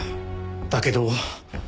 だけど。